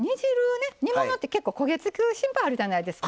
煮物って結構焦げ付く心配あるじゃないですか。